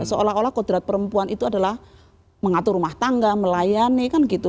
seolah olah kodrat perempuan itu adalah mengatur rumah tangga melayani kan gitu